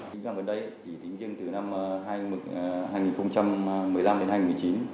chính là vấn đề chỉ tính riêng từ năm hai nghìn một mươi năm đến hai nghìn một mươi chín